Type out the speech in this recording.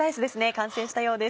完成したようです。